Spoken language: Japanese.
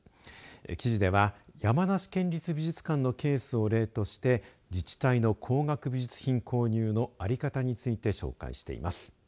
記事では山梨県立美術館のケースを例として自治体の高額美術品購入の在り方について紹介しています。